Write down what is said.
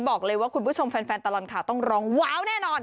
บอกเลยว่าคุณผู้ชมแฟนตลอดข่าวต้องร้องว้าวแน่นอน